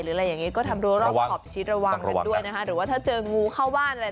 อะไรอย่างนี้ก็ทำรัวรอบขอบชิดระวังกันด้วยนะคะหรือว่าถ้าเจองูเข้าบ้านอะไร